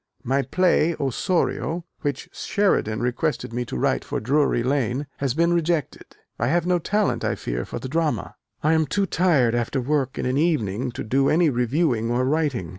My play Osorio, which Sheridan requested me to write for Drury Lane, has been rejected: I have no talent, I fear, for the drama. I am too tired after work in an evening to do any reviewing or writing.